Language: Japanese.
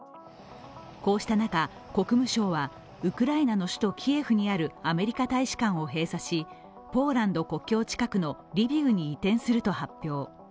こうした中、国務省はウクライナの首都キエフにあるアメリカ大使館を閉鎖し、ポーランド国境近くのリビウに移転すると発表。